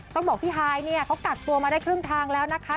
ต้องบอกพี่ฮายเนี่ยเขากักตัวมาได้ครึ่งทางแล้วนะคะ